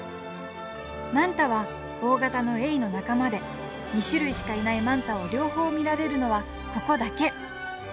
マンタは大型のエイの仲間で２種類しかいないマンタを両方見られるのはここだけ！